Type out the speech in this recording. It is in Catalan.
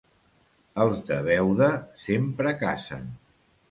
Els de Beuda sempre cacen.